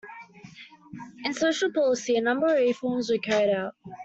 In social policy, a number of reforms were carried out.